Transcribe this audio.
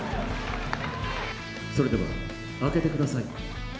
それでは開けてください。